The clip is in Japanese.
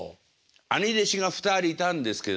兄弟子が２人いたんですけれども。